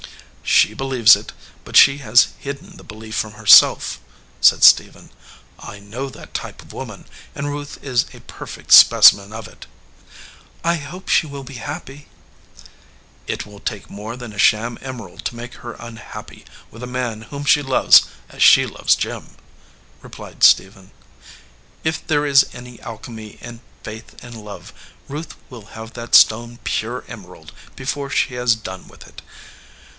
"She believes it, but she has hidden the belief from herself," said Stephen. "I know that type of woman, and Ruth is a perfect specimen of it." "I hope she will be happy." "It will take more than a sham emerald to make her unhappy with a man whom she loves as she loves Jim," replied Stephen. "If there is any alchemy in faith and love, Ruth will have that stone pure emerald before she has done with it.